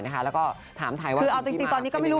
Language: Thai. คือนะครับคุณพีมมากเป็นยังไงบ้าง